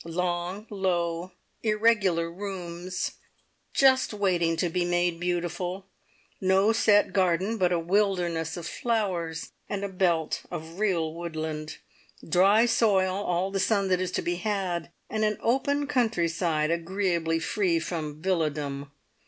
Long, low, irregular rooms just waiting to be made beautiful; no set garden, but a wilderness of flowers, and a belt of real woodland; dry soil, all the sun that is to be had, and an open country side agreeably free from villadom.